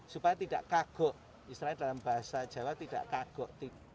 supaya tidak kagok istilahnya dalam bahasa jawa tidak kagok